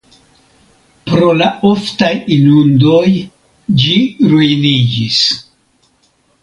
Pro la oftaj inundoj ĝi ruiniĝis.